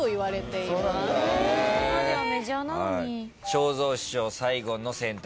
正蔵師匠最後の選択